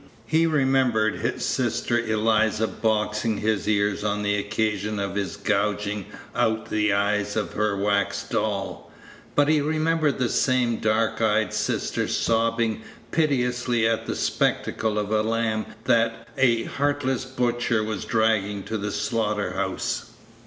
He remembered his sister Eliza boxing his ears on the occasion of his gouging out the eyes of her wax doll, but he remembered the same dark eyed sister sobbing piteously at the spectacle of a lamb that a heartless butcher was dragging to the slaughter house.